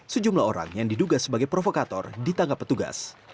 sejumlah orang yang diduga sebagai provokator ditangkap petugas